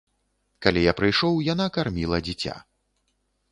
Калі я прыйшоў, яна карміла дзіця.